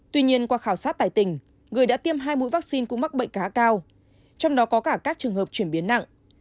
tuy nhiên qua khảo sát tại tỉnh người đã tiêm hai mũi vaccine cũng mắc bệnh khá cao trong đó có cả các trường hợp chuyển biến nặng